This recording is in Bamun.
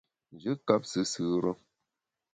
Njù kap sùsù re.